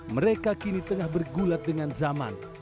mereka kini tengah bergulat dengan zaman